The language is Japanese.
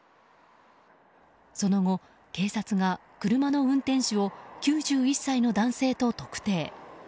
その後、警察が車の運転手を９１歳の男性と特定。